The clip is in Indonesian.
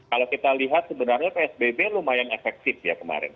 kalau kita lihat sebenarnya psbb lumayan efektif ya kemarin